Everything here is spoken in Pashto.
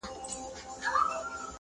سېمابي سوی له کراره وځم,